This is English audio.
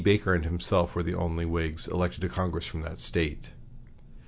Baker and himself were the only Whigs elected to Congress from that State.